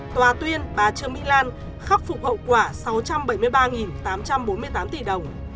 tòa tuyên bà trương mỹ lan khắc phục hậu quả sáu trăm bảy mươi ba tám trăm bốn mươi tám tỷ đồng